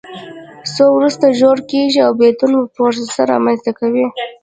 خو وروسته ژور کېږي او بېلتون پروسه رامنځته کوي.